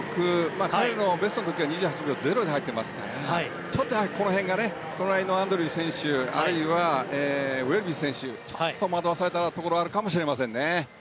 彼のベストは２８秒０で入っていますからちょっとこの辺が隣のアンドリュー選手やあるいはウィルビー選手に惑わされたところがあるかもしれませんね。